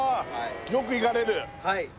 よく行かれる？